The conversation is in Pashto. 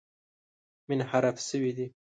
منحرف شوي دي.